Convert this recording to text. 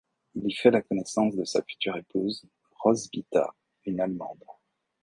Il y fait la connaissance de sa future épouse, Roswitha, une allemande.